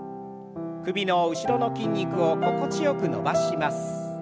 首の後ろの筋肉を心地よく伸ばします。